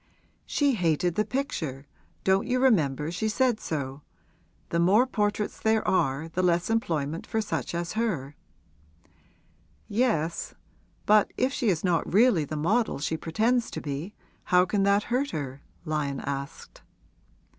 'She hated the picture don't you remember she said so? The more portraits there are the less employment for such as her.' 'Yes; but if she is not really the model she pretends to be, how can that hurt her?' Lyon asked.